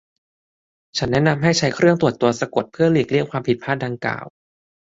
ฉันแนะนำให้ใช้เครื่องตรวจตัวสะกดเพื่อหลีกเลี่ยงความผิดพลาดดังกล่าว